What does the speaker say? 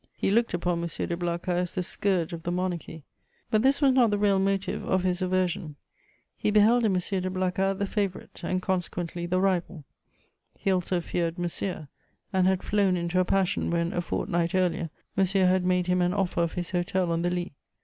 He looked upon M. de Blacas as the scourge of the Monarchy; but this was not the real motive of his aversion: he beheld in M. de Blacas the favourite, and consequently the rival; he also feared Monsieur, and had flown into a passion when, a fortnight earlier, Monsieur had made him an offer of his hotel on the Lys.